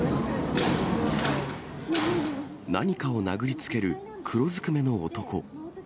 何かを殴りつける黒ずくめの男。